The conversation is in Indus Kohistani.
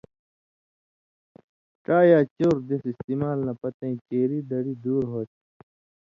ڇا یا چؤر دېسہۡ استمال نہ پتَیں چیری دڑی دُور ہوتھی۔